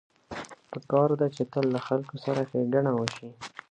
پکار ده چې تل له خلکو سره ښېګڼه وشي